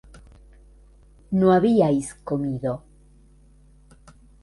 no habíais comido